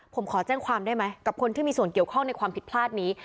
ผมขอแจ้งความได้ไหมกับคนที่มีส่วนเกี่ยวข้องในความผิดพลาดนี้